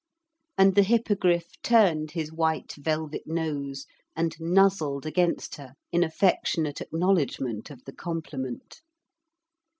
And the Hippogriff turned his white velvet nose and nuzzled against her in affectionate acknowledgment of the compliment.